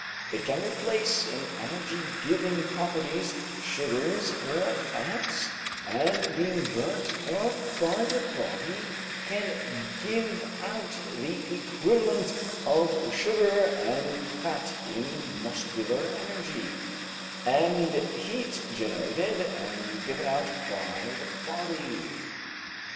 It can replace in energy giving properties sugars or fats, and being burnt up by the body can give out the equivalent of sugar and fat in muscular energy, and heat generated and given out by the body.